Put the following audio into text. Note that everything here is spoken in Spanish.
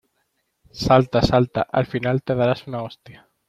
Salta, salta, al final te darás una hostia.